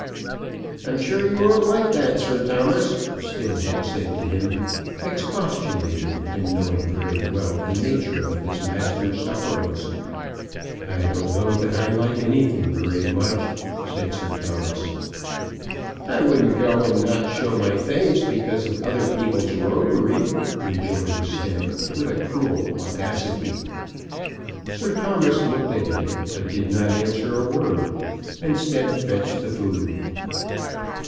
"I'm sure you won't like that, Sir Thomas," Stemm had said to him, expostulating, and knowing very well the nature of his master's sufferings. "I don't know that I like anything very much," said Sir Thomas. "I wouldn't go and not show my face because of other people's roguery," rejoined Stemm, with cruel audacity. Sir Thomas looked at him, but did not answer a word, and Stemm fetched the food.